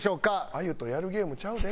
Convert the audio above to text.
あゆとやるゲームちゃうで？